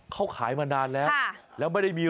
ขายมานานแล้วด้วย